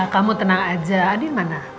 kamu tenang aja adik mana